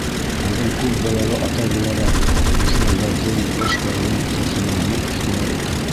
— Үҙем күп балалы атай булараҡ, үҫмерҙәрҙең, йәштәрҙең тәртибенә ныҡ иғтибар итәм.